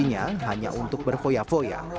hanya untuk berfoya foya